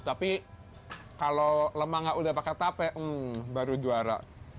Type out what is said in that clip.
tapi kalau lemang nggak udah pakai tape baru juara